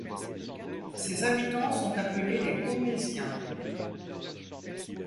Ses habitants sont appelés les Paumésiens.